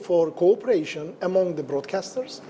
untuk kekerjasamaan antara broadcaster